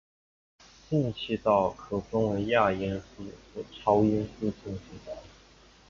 进气道可分为亚音速和超音速进气道。